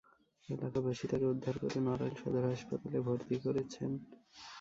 এলাকাবাসী তাঁকে উদ্ধার করে নড়াইল সদর হাসপাতালে ভর্তি করেছেন।